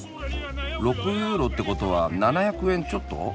６ユーロってことは７００円ちょっと？